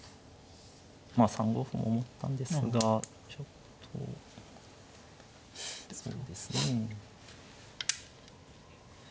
まあ３五歩も思ったんですがちょっとそうですね。